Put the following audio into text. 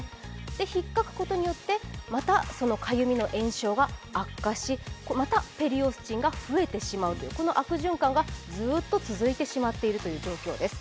ひっかくことによってまたかゆみの炎症が悪化しまたペリオスチンが増えてしまうという、この悪循環がずっと続いてしまっているという状況です。